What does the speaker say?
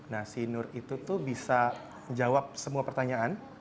nah si nur itu tuh bisa jawab semua pertanyaan